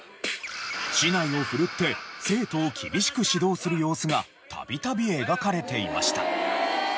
竹刀を振るって生徒を厳しく指導する様子が度々描かれていました。